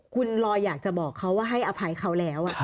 คุณลอยอยากจะบอกเขาว่าให้อภัยเขาแล้ว